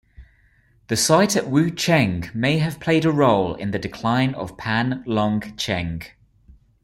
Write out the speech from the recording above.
The site at Wucheng may have played a role in the decline of Panlongcheng.